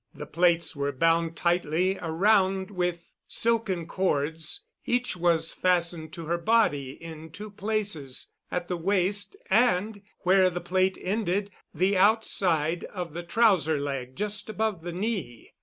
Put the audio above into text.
The plaits were bound tightly around with silken cords; each was fastened to her body in two places, at the waist and, where the plait ended, the outside of the trouser leg just above the knee.